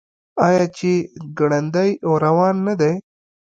آیا چې ګړندی روان نه دی؟